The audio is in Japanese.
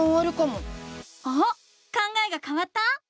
考えがかわった？